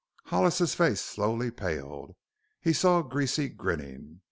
Hollis's face slowly paled. He saw Greasy grinning.